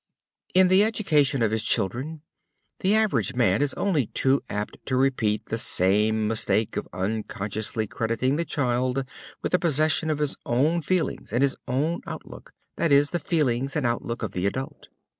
In the education of his children the average man is only too apt to repeat the same mistake of unconsciously crediting the child with the possession of his own feelings and his own outlook, that is the feelings and outlook of the adult.